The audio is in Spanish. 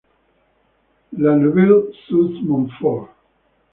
La Neuveville-sous-Montfort